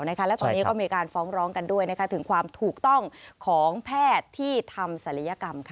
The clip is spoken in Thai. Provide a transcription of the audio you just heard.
และตอนนี้ก็มีการฟ้องร้องกันด้วยถึงความถูกต้องของแพทย์ที่ทำศัลยกรรม